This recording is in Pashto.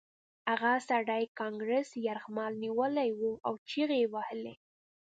هغه سړي کانګرس یرغمل نیولی و او چیغې یې وهلې